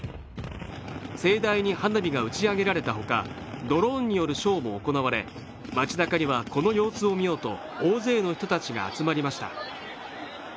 盛大に花火が打ち上げられたほか、ドローンによるショーも行われ、街なかにはこの様子を見ようと大勢の人たちが集まりました。